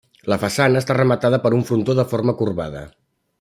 La façana està rematada per un frontó de forma corbada.